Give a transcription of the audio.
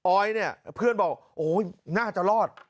ออยเนี่ยเพื่อนบอกโอ้ยน่าจะรอด